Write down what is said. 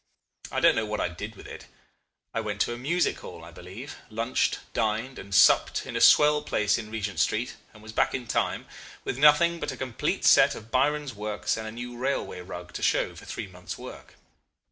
I don't know what I did with it. I went to a music hall, I believe, lunched, dined, and supped in a swell place in Regent Street, and was back to time, with nothing but a complete set of Byron's works and a new railway rug to show for three months' work.